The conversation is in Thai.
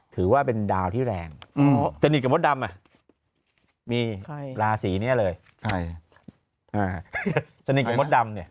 ถือว่าเป็นดาวที่แรงสนิทกับมดดำมีราศีนี้เลยสนิทกับมดดำเนี่ย